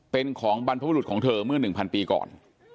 เป็นของบรรพบุรุษของเธอเมื่อ๑๐๐ปีก่อน